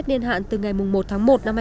cục đăng kiểm việt nam bộ giao thông vận tải